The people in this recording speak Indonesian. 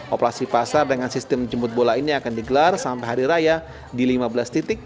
operasi pasar dengan sistem jemput bola ini akan digelar sampai hari raya di lima belas titik